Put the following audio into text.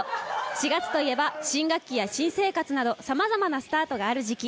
４月といえば新学期や新生活など様々なスタートがある時期。